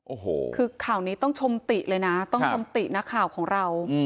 โอ้โหคือข่าวนี้ต้องชมติเลยนะต้องชมตินักข่าวของเรา